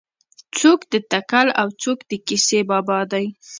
څوک د تکل او څوک د کیسې بابا دی.